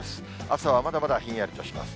朝はまだまだひんやりとします。